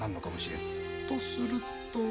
とすると？